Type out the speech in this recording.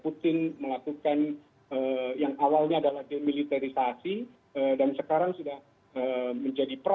mungkin melakukan yang awalnya adalah demilitarisasi dan sekarang sudah menjadi perang